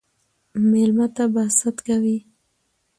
ميلمه ته به ست کوئ